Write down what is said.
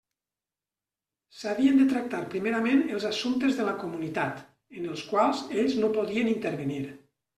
S'havien de tractar primerament els assumptes de la Comunitat, en els quals ells no podien intervenir.